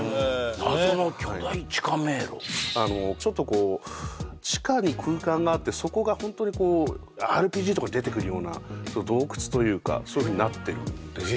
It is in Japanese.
謎の巨大地下迷路ちょっとこう地下に空間があってそこがホントにこうＲＰＧとかに出てくるような洞窟というかそういうふうになってるんですね